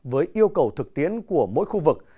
với yêu cầu thực tiến của mỗi khu vực